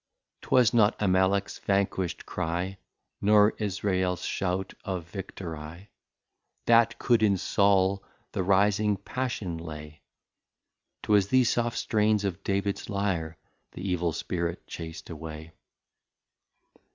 'Twas not Amaleck's vanquisht Cry, Nor Israels shout of Victory, That could in Saul the rising Passion lay, 'Twas the soft strains of David's Lyre the Evil Spirit chace't away.